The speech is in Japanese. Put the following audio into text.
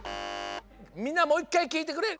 みんなもういっかいきいてくれ。